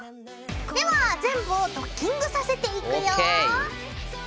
では全部をドッキングさせていくよ。ＯＫ！